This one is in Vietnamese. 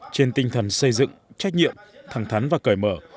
trên tinh thần xây dựng trách nhiệm thẳng thắn và cởi mở